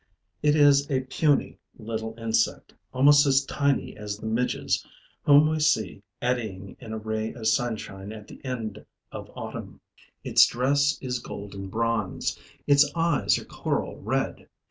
It is a puny little insect, almost as tiny as the midges whom we see eddying in a ray of sunshine at the end of autumn. Its dress is golden bronze; its eyes are coral red.